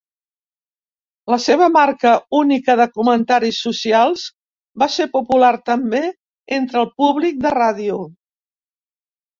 La seva marca única de comentaris socials va ser popular també entre el públic de ràdio.